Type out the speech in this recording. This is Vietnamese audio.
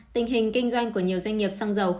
tình hình kinh doanh của nhiều doanh nghiệp xăng dầu